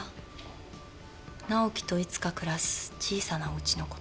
直季といつか暮らす小さなおウチのこと。